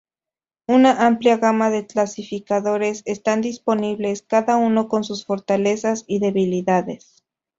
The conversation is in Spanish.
Una amplia gama de clasificadores están disponibles, cada uno con sus fortalezas y debilidades.